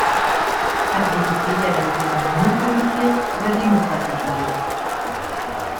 Hat Wikipedia das Wissen monopolisiert oder demokratisiert?